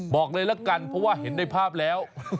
บอกเลยละกันเพราะว่าเห็นในภาพแล้ว